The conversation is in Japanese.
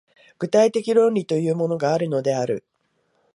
具体的論理というものがあるのである。